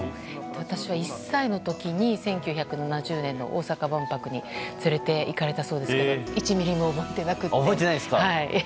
私は１歳の時に１９７０年の大阪万博に連れていかれたそうですが１ミリも覚えていなくて。